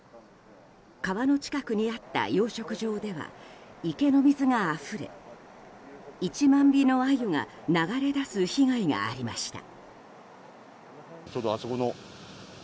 川の近くにあった養殖場では池の水があふれ１万尾のアユが流れ出す被害がありました。